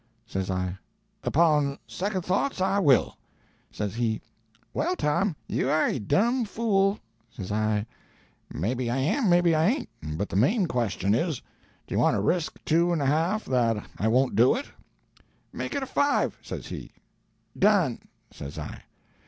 Says I 'Upon second thoughts, I will.' Says he, 'Well Tom, you aye a dum fool.' Says I, 'Maybe I am maybe I ain't; but the main question is, do you wan to risk two and a half that I won't do it?' 'Make it a V,' says he. 'Done,' says I.